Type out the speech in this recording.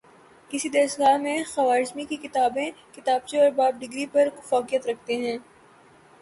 کسی درسگاہ میں خوارزمی کی کتابیں کتابچے اور باب ڈگری پر فوقیت رکھتے ہیں